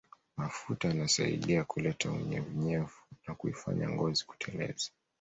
Mafuta yanasaidia kuleta unyevunyevu na kuifanya ngozi kuteleza